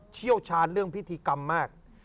เชี่ยวชาญเรื่องพิธีกรรมมาก